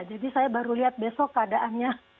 jadi saya baru lihat besok keadaannya